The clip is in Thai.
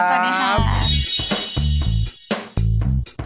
สวัสดีค่ะ